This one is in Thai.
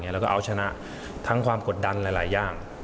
แล้วก็เอาชนะทั้งความกดดันหลายอย่าง